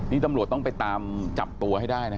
นี่ฐำรวจต้องไปจับตัวให้ได้